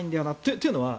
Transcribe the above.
というのは